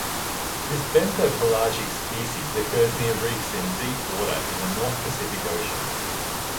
This benthopelagic species occurs near reefs in deep water in the North Pacific Ocean.